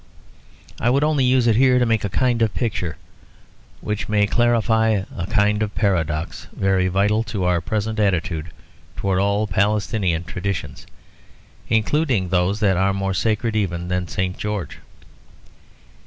I would only use it here to make a kind of picture which may clarify a kind of paradox, very vital to our present attitude towards all Palestinian traditions, including those that are more sacred even than St. George.